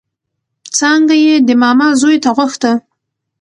څانګه يې د ماما زوی ته غوښته